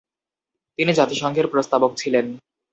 তিনি জাতিসংঘের প্রস্তাবক ছিলেন।